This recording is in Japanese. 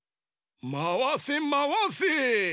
まわせまわせ。